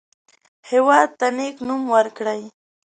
هېواد ته نیک نوم ورکړئ